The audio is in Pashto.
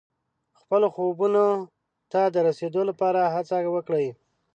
خپلو خوبونو ته د رسیدو لپاره هڅه وکړئ.